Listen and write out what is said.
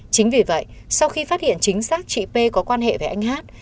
chính vì vậy sau khi phát hiện chính xác chị p có quan hệ với anh hát